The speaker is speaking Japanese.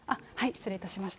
失礼いたしました。